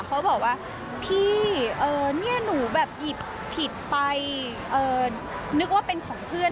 เขาบอกว่าพี่เนี่ยหนูแบบหยิบผิดไปนึกว่าเป็นของเพื่อน